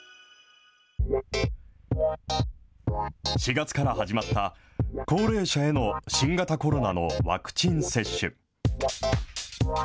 ４月から始まった高齢者への新型コロナのワクチン接種。